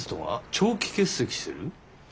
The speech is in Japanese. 長期欠席してる？